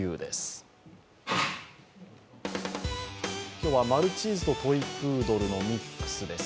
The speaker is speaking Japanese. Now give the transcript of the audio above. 今日はマルチーズとトイプードルのミックスです。